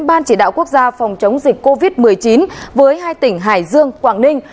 ban chỉ đạo quốc gia phòng chống dịch covid một mươi chín với hai tỉnh hải dương quảng ninh